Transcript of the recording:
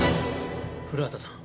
古畑さん。